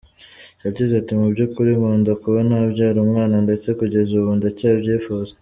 Yagize ati “Mu by’ukuri nkunda kuba nabyara umwana ndetse kugeza ubu ndacyabyifuza.